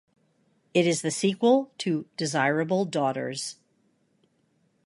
It is the sequel to "Desirable Daughters".